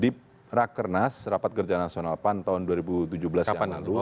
di rakernas rapat kerja nasional pan tahun dua ribu tujuh belas yang lalu